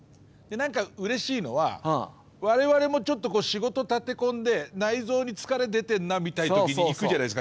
で何かうれしいのは我々もちょっと仕事立て込んで内臓に疲れ出てるなあみたいなときにいくじゃないですかしじみとかって。